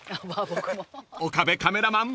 ［岡部カメラマン